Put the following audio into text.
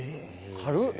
軽っ！